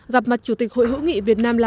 gặp mặt chủ tịch hội hữu nghị việt nam lào